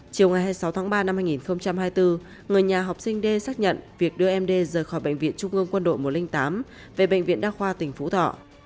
chiều ngày hai mươi sáu tháng ba năm hai nghìn hai mươi bốn người nhà học sinh d xác nhận việc đưa em d rời khỏi bệnh viện trung ương quân đội một trăm linh tám về bệnh viện đa khoa tỉnh phú thọ